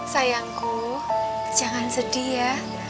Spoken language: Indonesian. sayangku jangan sedih ya